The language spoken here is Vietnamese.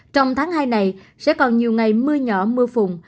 trong tháng hai này sẽ còn nhiều ngày mưa nhỏ mưa phùng